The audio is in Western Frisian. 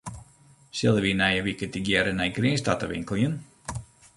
Sille wy nije wike tegearre nei Grins ta te winkeljen?